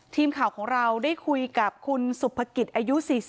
ทีมข่าวของเราได้คุยกับคุณสุภกิจอายุ๔๐